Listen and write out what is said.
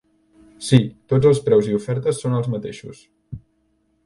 Sí, tots els preus i ofertes són els mateixos.